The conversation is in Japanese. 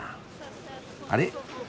あれ？